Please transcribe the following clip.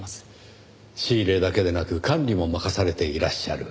仕入れだけでなく管理も任されていらっしゃる。